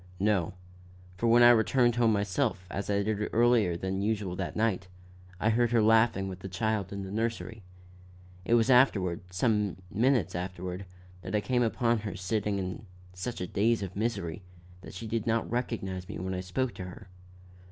"No; for when I returned home myself, as I did earlier than usual that night, I heard her laughing with the child in the nursery. It was afterward, some few minutes afterward, that I came upon her sitting in such a daze of misery, that she did not recognize me when I spoke to her.